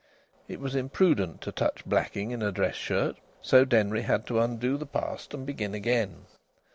It is imprudent to touch blacking in a dress shirt, so Denry had to undo the past and begin again.